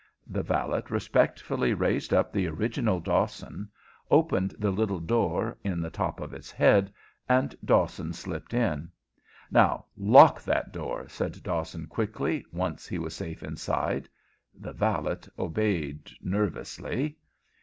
The valet respectfully raised up the original Dawson, opened the little door in the top of its head, and Dawson slipped in. "Now lock that door," said Dawson, quickly, once he was safe inside. The valet obeyed nervously.